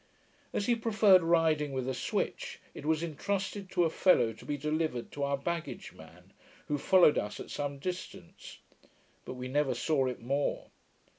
As he preferred riding with a switch, it was intrusted to a fellow to be delivered to our baggage man, who followed us at some distance; but we never saw it more.